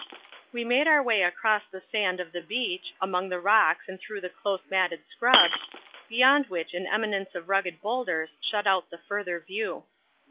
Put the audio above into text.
We made our way across the sand of the beach, among the rocks and through the close matted scrub, beyond which an eminence of rugged boulders shut out the further view.